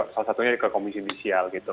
salah satunya ke komisi judisial gitu